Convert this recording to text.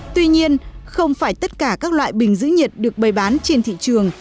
tuy nhiên không phải tất cả các loại bình giữ nhiệt được bày bán trên thị trường